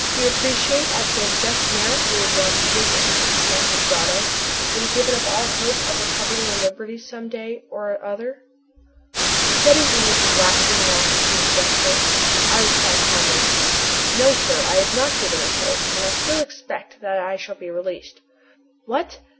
Do you appreciate at their just merit the advantages of this enchanted grotto? Have you given up all hope of recovering your liberty some day or other?" What is the use of waxing wroth with this jester? I reply calmly: "No, sir. I have not given up hope, and I still expect that I shall be released." "What!